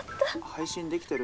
配信できてる？